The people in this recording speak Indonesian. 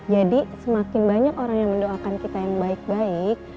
jadi semakin banyak orang yang mendoakan kita yang baik baik